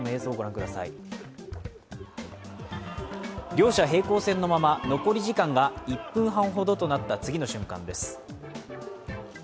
両者平行線のまま、残り時間が１分半ほどとなった次の瞬間です。